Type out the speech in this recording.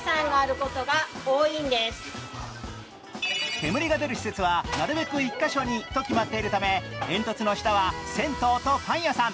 煙が出る施設はなるべく１か所にと決まっているために、煙突の下は銭湯とパン屋さん。